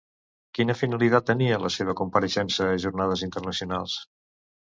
Quina finalitat tenia la seva compareixença a jornades internacionals?